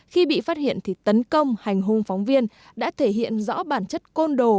khi bị phát hiện thì tấn công hành hung phóng viên đã thể hiện rõ bản chất côn đồ